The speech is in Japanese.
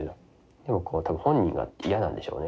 でも多分本人が嫌なんでしょうね。